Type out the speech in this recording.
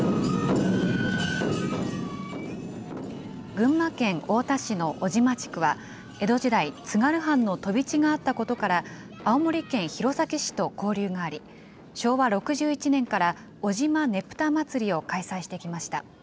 群馬県太田市の尾島地区は、江戸時代、津軽藩の飛び地があったことから、青森県弘前市と交流があり、昭和６１年から尾島ねぷたまつりを開催してきました。